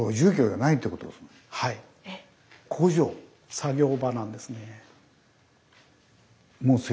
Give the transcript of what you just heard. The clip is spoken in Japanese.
作業場なんですね。